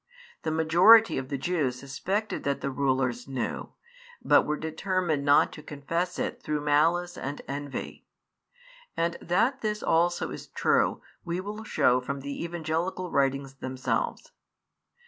The majority of the Jews suspected that the rulers knew, but were determined not to confess it through malice and envy; and that this also is true, we will shew from the evangelical writings themselves.